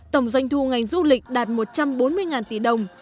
tổng doanh thu ngành du lịch đạt một trăm bốn mươi tỷ đồng